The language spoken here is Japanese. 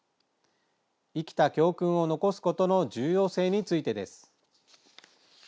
生きた教訓を残すことの重要性についてです。